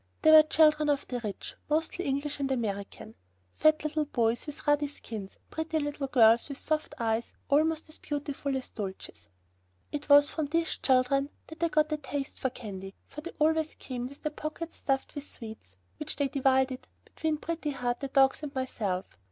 They were children of the rich, mostly English and American. Fat little boys, with ruddy skins, and pretty little girls with soft eyes almost as beautiful as Dulcie's. It was from these children that I got a taste for candy, for they always came with their pockets stuffed with sweets which they divided between Pretty Heart, the dogs, and myself.